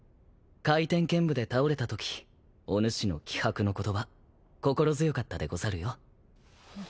回天剣舞で倒れたときおぬしの気迫の言葉心強かったでござるよ。